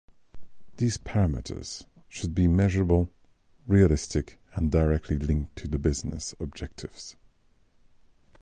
These parameters should be measurable, realistic, and directly linked to the business objectives.